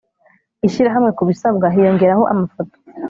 ishyirahamwe ku bisabwa hiyongeraho amafoto